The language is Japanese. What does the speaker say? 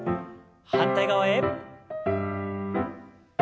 反対側へ。